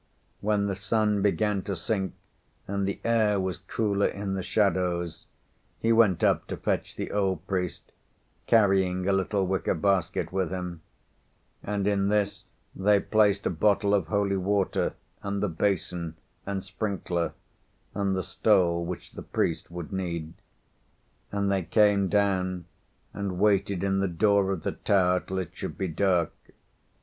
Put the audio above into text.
When the sun began to sink and the air was cooler in the shadows, he went up to fetch the old priest, carrying a little wicker basket with him; and in this they placed a bottle of holy water, and the basin, and sprinkler, and the stole which the priest would need; and they came down and waited in the door of the tower till it should be dark.